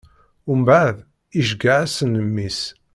Mbeɛd, iceggeɛ-asen mmi-s.